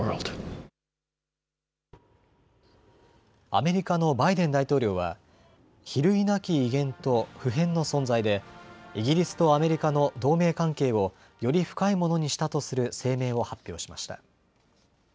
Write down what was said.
アメリカのバイデン大統領は比類なき威厳と不変の存在でイギリスとアメリカの同盟関係をより深いものにしたとする声明を発表しました。